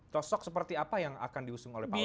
sosok seperti apa yang akan diusung oleh pausok